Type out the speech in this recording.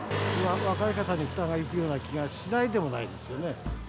若い方に負担がいくような気がしないでもないですよね。